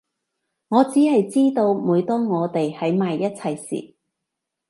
我只係知道每當我哋喺埋一齊時